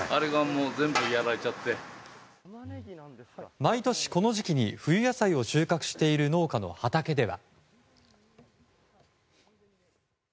毎年、この時期に冬野菜を収穫している農家の畑では。